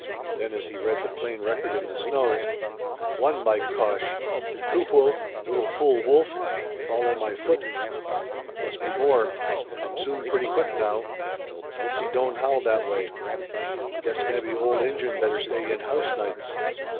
Then, as he read the plain record in the snow, "One, by cosh! two hwulf, lil fool hwulf, follow my footin'. Mus' be more, come soon pretty quick now; else he don' howl dat way. Guess mebbe ol' Injun better stay in house nights."